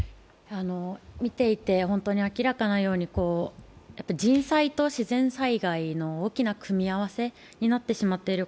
見ていて明らかなように人災と自然災害の大きな組み合わせになってしまっている。